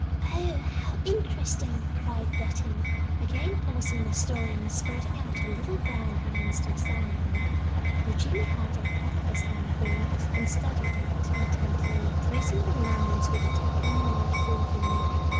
"Oh, how interesting!" cried Betty, again pausing in her story, and spreading out her little brown hands, to examine them, Eugenia held up one of her slim palms, and studied it intently, tracing the lines with a tapering white forefinger.